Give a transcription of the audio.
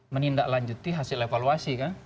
menindaklanjuti hasil evaluasi kan